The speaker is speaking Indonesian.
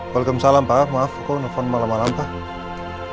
waalaikumsalam pak maaf aku nelfon malam malam pak